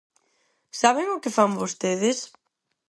¿Saben o que fan vostedes?